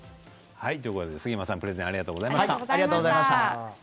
杉山さん、プレゼンありがとうございました。